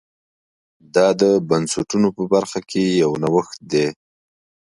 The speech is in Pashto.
دا د بنسټونو په برخه کې یو نوښت دی